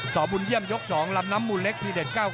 บุญเยี่ยมยก๒ลำน้ำมูลเล็กทีเด็ด๙๙